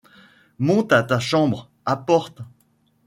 Monte à ta chambre, apporte